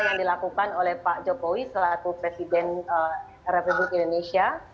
yang dilakukan oleh pak jokowi selaku presiden republik indonesia